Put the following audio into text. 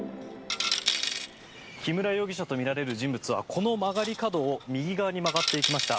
木村容疑者とみられる人物はこの曲がり角を右側に曲がっていきました。